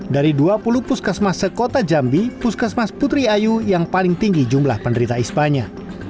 dari dua puluh puskesmas sekota jambi puskesmas putri ayu yang paling tinggi jumlah penderita ispanya